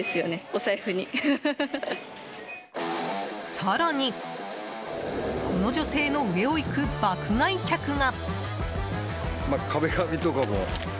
更に、この女性の上を行く爆買い客が。